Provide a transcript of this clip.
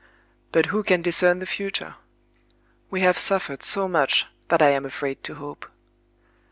But who can discern the future? We have suffered so much that I am afraid to hope.